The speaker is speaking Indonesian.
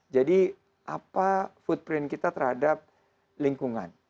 jadi apa footprint kita terhadap lingkungan